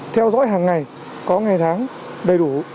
theo dõi hàng ngày có ngày tháng đầy đủ